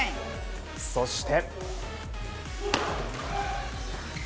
そして。